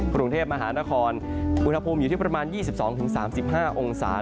กรุงเทพมหานครอุณหภูมิอยู่ที่ประมาณ๒๒๓๕องศา